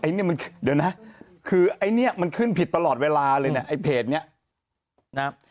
อันนี้มันเดี๋ยวนะคือไอ้เนี่ยมันขึ้นผิดตลอดเวลาเลยเนี่ยไอ้เพจเนี้ยนะครับ